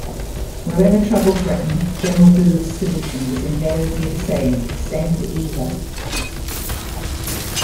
Wherever trouble threatened, General Booth's solution was invariably the same, 'Send Eva!'.